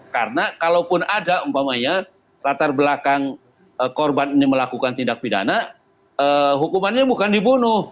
karena kalau pun ada latar belakang korban yang melakukan tindak pidana hukumannya bukan dibunuh